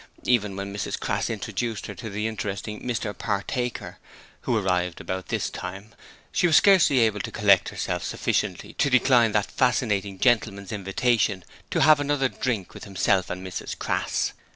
Even when Mrs Crass introduced her to the interesting Mr Partaker, who arrived about this time, she was scarcely able to collect herself sufficiently to decline that fascinating gentleman's invitation to have another drink with himself and Mrs Crass.